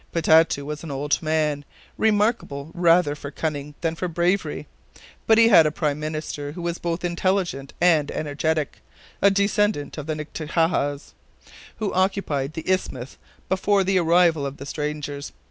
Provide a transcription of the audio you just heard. Potatau was an old man, remarkable rather for cunning than bravery; but he had a Prime Minister who was both intelligent and energetic, a descendant of the Ngatihahuas, who occupied the isthmus before the arrival of the strangers.